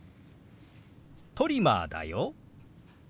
「トリマーだよ」。